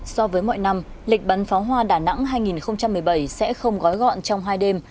so với mọi năm lịch bắn pháo hoa đà nẵng hai nghìn một mươi bảy sẽ không gói gọn trong hai đêm